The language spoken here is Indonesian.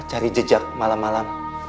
cari jejak malam malam